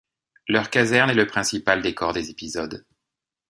Leur caserne est le principal décor des épisodes.